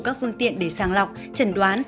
các phương tiện để sàng lọc chẩn đoán